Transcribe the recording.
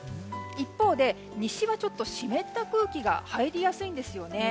一方で西はちょっと湿った空気が入りやすいんですよね。